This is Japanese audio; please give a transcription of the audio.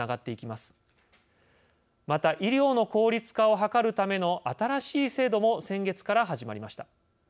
また医療の効率化を図るための新しい制度も先月から始まりました。